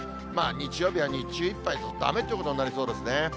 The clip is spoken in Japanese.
日曜日は日中いっぱいずっと雨ってことになりそうですね。